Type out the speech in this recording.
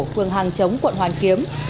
phường hàng chống quận hoàn kiếm